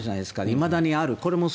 いまだにある。